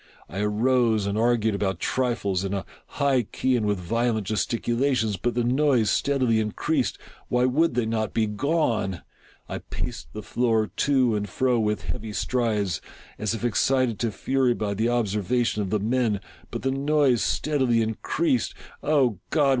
I arose and argued about trifles, in a high key and with violent gesticulations , but the noise steadily increased. Why would they not be gone ? I paced the floor to and fro with heavy strides, as if excited to fury by the observation of the men — but the noise steadily increased. fOh God!